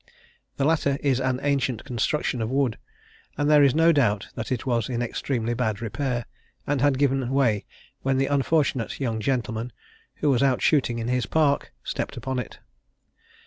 The latter is an ancient construction of wood, and there is no doubt that it was in extremely bad repair, and had given way when the unfortunate young gentleman, who was out shooting in his park, stepped upon it.